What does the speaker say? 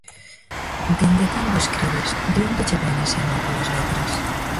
Dende cando escribes? De onde che vén ese amor polas letras?